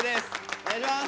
お願いします！